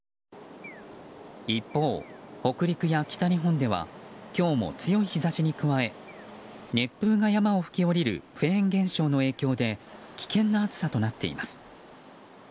一方、北陸や北日本では今日も強い日差しに加え熱風が山を吹き下りるフェーン現象の影響で危険な暑さとなっています。